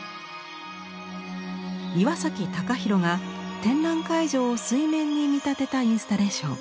岩崎貴宏が展覧会場を水面に見立てたインスタレーション。